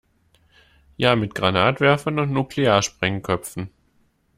Ja, mit Granatwerfern und Nuklearsprengköpfen.